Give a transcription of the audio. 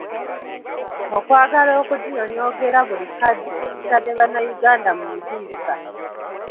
Okwagala okuginyonyogera buli kadde kitadde bannayuganda mu ntiisa.